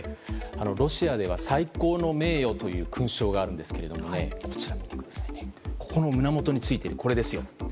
ロシアでは最高の名誉という勲章があるんですが胸元に付いているこれです。